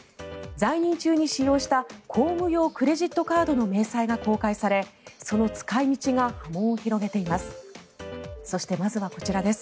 在任中に使用した公務用クレジットカードの明細が公開されその使い道が波紋を広げています。